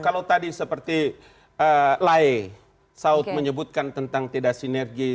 kalau tadi seperti lae saud menyebutkan tentang tidak sinergi